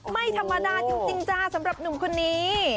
ไม่ธรรมดาจริงจ้าสำหรับหนุ่มคนนี้